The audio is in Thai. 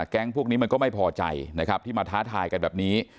แก๊งพวกนี้มันก็ไม่พอใจนะครับที่มาท้าทายกันแบบนี้